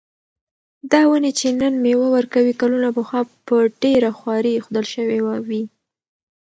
دا ونې چې نن مېوه ورکوي، کلونه پخوا په ډېره خواري ایښودل شوې وې.